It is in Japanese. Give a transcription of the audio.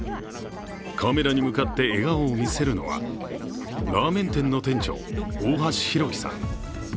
カメラに向かって笑顔を見せるのはラーメン店の店長、大橋弘輝さん。